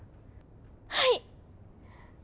はい！